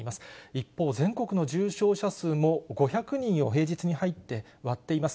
一方、全国の重症者数も５００人を平日に入って割っています。